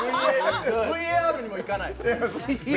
ＶＡＲにも行かない？